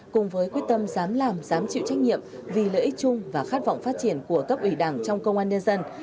cùng với quyết tâm dám làm dám chịu trách nhiệm vì lợi ích chung và khát vọng phát triển của cấp ủy đảng trong công an nhân dân